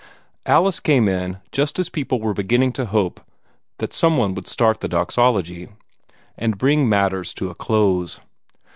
Alice came in just as people were beginning to hope that some one would start the Doxology, and bring matters to a close.